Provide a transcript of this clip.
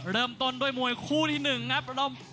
เริ่มต้นด้วยมวยคู่ที่๑ครับระดม